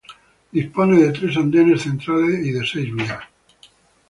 Dispone de tres andenes centrales y de seis vías.